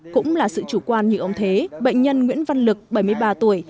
cũng là sự chủ quan như ông thế bệnh nhân nguyễn văn lực bảy mươi ba tuổi